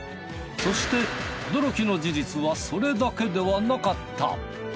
そして驚きの事実はそれだけではなかった！